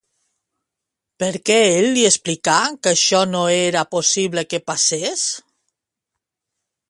Per què ell li explicà que això no era possible que passés?